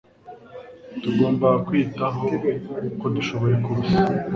tugomba kwiyitaho uko dushoboye kose